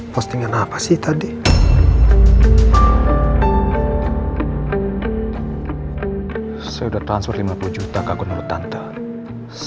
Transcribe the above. postingan sudah dihapus